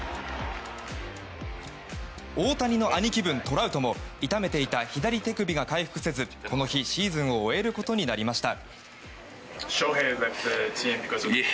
大谷の兄貴分トラウトも痛めていた左手首が回復せずこの日、シーズンを終えることになりました。